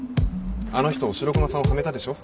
あの人白熊さんをはめたでしょ。